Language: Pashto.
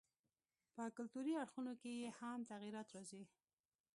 په کلتوري اړخونو کښي ئې هم تغيرات راځي.